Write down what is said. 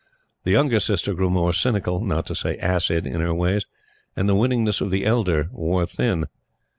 The younger sister grew more cynical not to say acid in her ways; and the winningness of the elder wore thin.